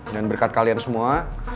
dan berkat kalian semua